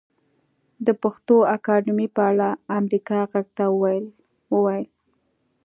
د پښتو اکاډمۍ په اړه امريکا غږ ته وويل